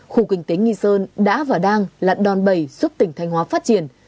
khu kinh tế nghị sơn đã và đang lặn đòn bầy giúp tỉnh thanh hóa phát triển